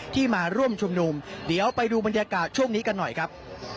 ที่มาร่วมชุมนุมเดี๋ยวไปดูบรรยากาศช่วงนี้กันหน่อยครับ